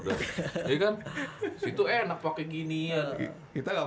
jadi kan disitu enak pakai gini ya